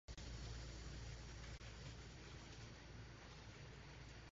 Roy Haynes soon left the company.